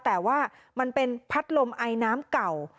แต่ว่ามันเป็นพัดลมไอน้ำเก่า